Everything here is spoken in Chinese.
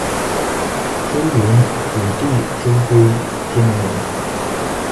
朱筠与弟朱圭皆能文。